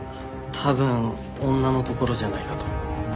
多分女のところじゃないかと。